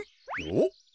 おっ？